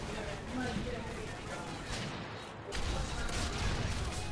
Druhá možnost byla čekat na ponorky v Dánskem průlivu.